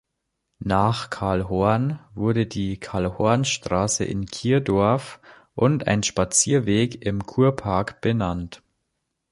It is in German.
Nach Karl Horn wurde die Karl-Horn-Straße in Kirdorf und ein Spazierweg im Kurpark benannt.